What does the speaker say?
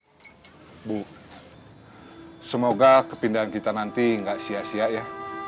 ibu semoga kepindahan kita nanti nggak sia sia ya